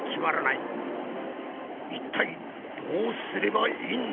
いったいどうすればいいんだ？